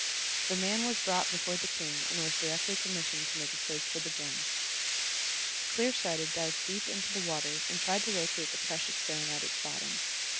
The man was brought before the king and was directly commissioned to make a search for the gem. Clear Sighted dived deep into the water and tried to locate the precious stone at its bottom.